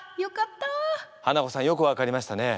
ハナコさんよく分かりましたね。